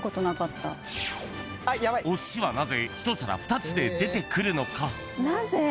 お寿司はなぜ１皿２つで出てくるのか。